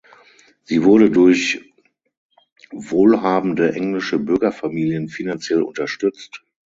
Sie wurde durch wohlhabende englische Bürgerfamilien finanziell unterstützt.